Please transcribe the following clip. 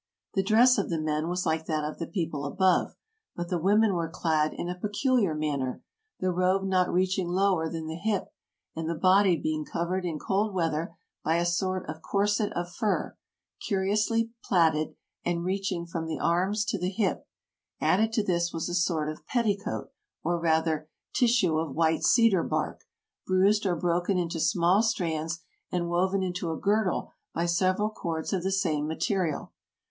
The dress of the men was like that of the people above ; but the women were clad in a peculiar manner, the robe not reaching lower than the hip, and the body being covered in cold weather by a sort of corset of fur, curiously plaited and reaching from the arms to the hip ; added to this was a sort of petticoat, or rather, tissue of white cedar bark, bruised or broken into small strands and woven into a girdle by several cords of the same material.